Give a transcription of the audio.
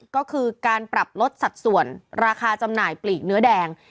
ก็คือการปรับลดสัดส่วนราคาจำหน่ายปลีกเนื้อแดง